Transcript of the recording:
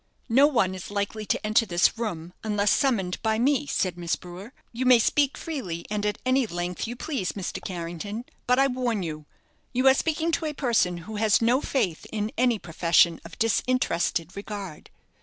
"No one is likely to enter this room, unless summoned by me," said Miss Brewer. "You may speak freely, and at any length you please, Mr. Carrington; but I warn you, you are speaking to a person who has no faith in any profession of disinterested regard."